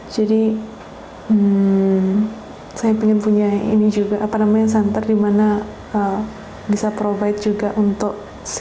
jadi saya ingin punya center dimana bisa provide juga untuk